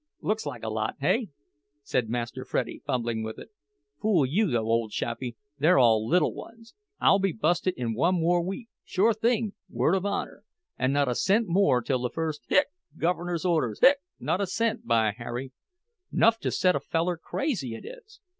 "Looks like a lot, hey?" said Master Freddie, fumbling with it. "Fool you, though, ole chappie—they're all little ones! I'll be busted in one week more, sure thing—word of honor. An' not a cent more till the first—hic—guv'ner's orders—hic—not a cent, by Harry! Nuff to set a feller crazy, it is.